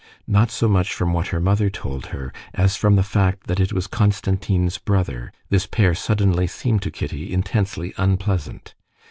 Not so much from what her mother told her, as from the fact that it was Konstantin's brother, this pair suddenly seemed to Kitty intensely unpleasant.